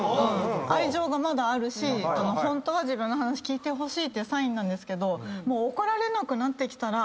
愛情がまだあるしホントは自分の話聞いてほしいっていうサインなんですけど。